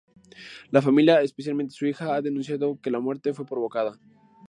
La familia -especialmente su hija- ha denunciado que la muerte fue provocada.